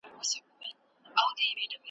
هامان وویل زما سر ته دي امان وي ,